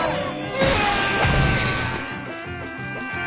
うわ。